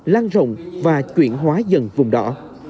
lan rộng và chuyển hóa dần vùng đỏ